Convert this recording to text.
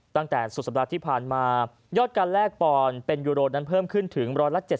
ตั้งแต่สุดสัปดาห์ที่ผ่านมายอดการแลกปอนด์เป็นยูโรนั้นเพิ่มขึ้นถึง๑๗๐